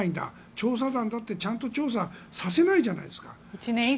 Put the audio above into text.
調査団だってちゃんと調査させないじゃないですか。